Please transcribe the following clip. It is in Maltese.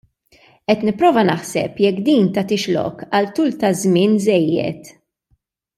Qed nipprova naħseb jekk din tagħtix lok għal tul ta' żmien żejjed.